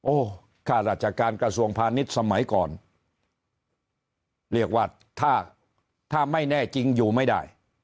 ค่าราชการกระทรวงพาณิชย์สมัยก่อนเรียกว่าถ้าถ้าไม่แน่จริงอยู่ไม่ได้